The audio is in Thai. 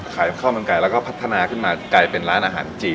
ข้าวมันไก่แล้วก็พัฒนาขึ้นมากลายเป็นร้านอาหารจีน